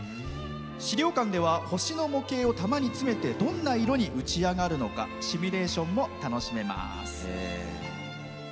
資料館では星の模型を玉に詰めてどんな色に打ち上がるのかシミュレーションも楽しめます。